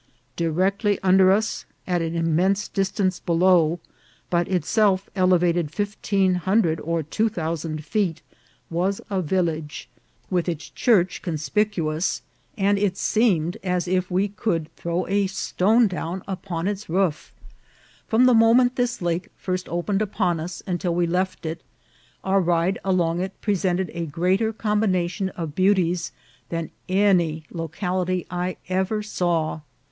Directly under us, at an immense distance below, but itself elevated SOL OLA. 165 fifteen hundred or two thousand feet, was a village, with its church conspicuous, and it seemed as if we could throw a stone down upon its roof. From the moment this lake first opened upon us until we left it, our ride along it presented a greater combination of beauties than any locality I ever saw.